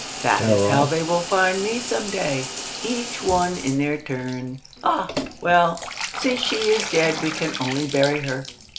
"That is how they will find me some day. Each one in their turn. Ah! well—since she is dead we can only bury her."